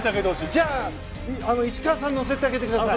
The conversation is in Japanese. じゃあ、石川が乗せてあげてください。